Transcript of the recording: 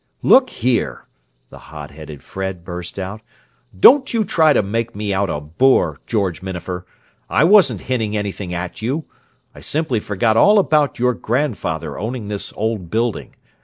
"Look here!" the hot headed Fred burst out. "Don't you try to make me out a boor, George Minafer! I wasn't hinting anything at you; I simply forgot all about your grandfather owning this old building.